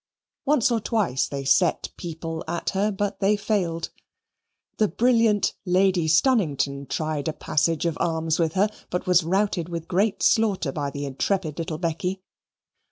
Once or twice they set people at her, but they failed. The brilliant Lady Stunnington tried a passage of arms with her, but was routed with great slaughter by the intrepid little Becky.